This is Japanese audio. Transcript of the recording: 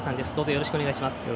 よろしくお願いします。